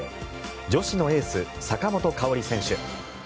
女子のエース、坂本花織選手。